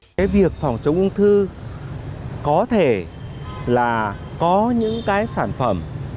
cái việc phòng chống ung thư có thể là có những cái sản phẩm